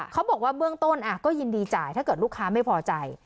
เขาบอกว่าเบื้องต้นก็ยินดีจ่ายถ้าเกิดลูกค้าไม่พอใจ